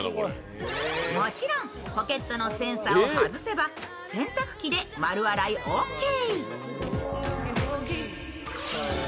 もちろん、ポケットのセンサーを外せば洗濯機で丸洗いオーケー。